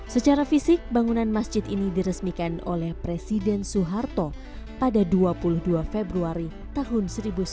secara fisik bangunan masjid ini diresmikan oleh presiden soeharto pada dua puluh dua februari tahun seribu sembilan ratus sembilan puluh